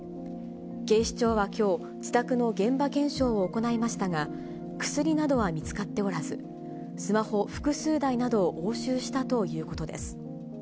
警視庁はきょう、自宅の現場検証を行いましたが、薬などは見つかっておらず、スマホ複数台などを押収したということです。